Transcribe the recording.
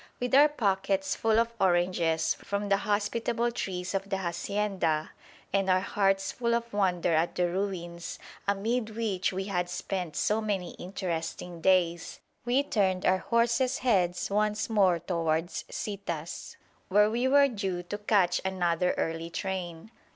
With our pockets full of oranges from the hospitable trees of the hacienda and our hearts full of wonder at the ruins amid which we had spent so many interesting days, we turned our horses' heads once more towards Citas, where we were due to catch another early train.